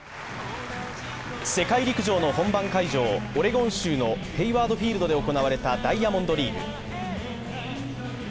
世界陸上の本番会場、オレゴン州のヘイワード・フィールドで行われたダイヤモンドリーグ。